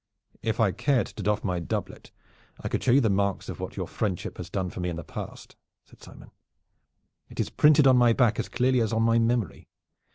"If I cared to doff my doublet I could show you the marks of what your friendship has done for me in the past," said Simon. "It is printed on my back as clearly as on my memory.